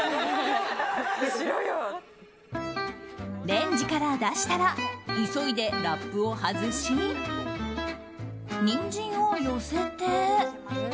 レンジから出したら急いでラップを外しニンジンを寄せて。